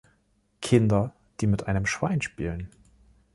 Kinder, die mit einem Schwein spielen.